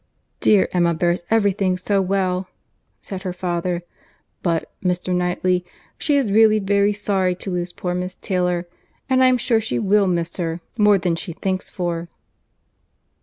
"Dear Emma bears every thing so well," said her father. "But, Mr. Knightley, she is really very sorry to lose poor Miss Taylor, and I am sure she will miss her more than she thinks for."